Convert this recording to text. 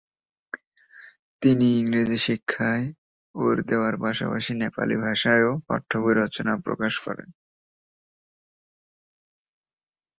তিনি ইংরেজি শিক্ষায় ওর দেওয়ার পাশাপাশি নেপালি ভাষায়ও পাঠ্যবই রচনা ও প্রকাশ করেন।